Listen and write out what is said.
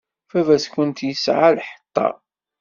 Baba-tkent yesɛa lḥeṭṭa.